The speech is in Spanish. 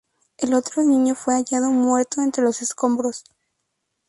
El otro niño fue hallado muerto entre los escombros.